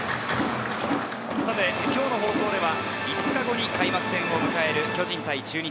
今日の放送では５日後に開幕戦を迎える巨人対中日。